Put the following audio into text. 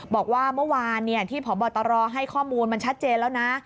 บอกว่าเมื่อวานที่พบตรให้ข้อมูลมันชัดเจนแล้วนะ